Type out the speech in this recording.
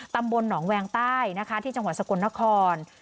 ตำบลหนองแวงใต้นะคะที่จังหวัดสกลนคร